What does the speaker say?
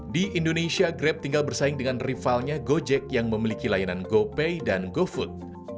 di indonesia grab tinggal bersaing dengan rivalnya gojek yang memiliki layanan gopay dan gofood